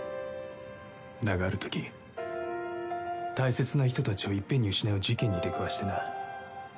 だがあるとき大切な人たちをいっぺんに失う事件に出くわしてな。